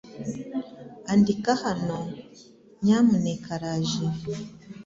Andika hano, nyamuneka araje